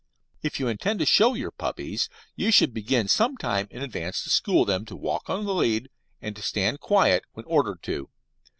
If you intend to show your puppies, you should begin some time in advance to school them to walk on the lead and to stand quiet when ordered to.